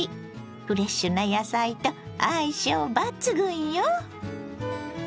フレッシュな野菜と相性抜群よ。